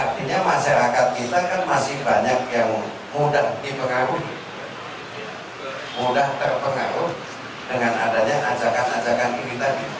bikin mudah terpengaruh dengan adanya ajakan ajakan ini tadi